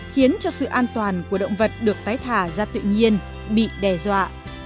khiến cho sự an toàn của động vật được tái thả ra tự nhiên bị đe dọa